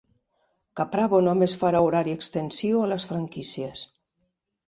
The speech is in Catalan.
Caprabo només farà horari extensiu a les franquícies